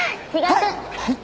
はい！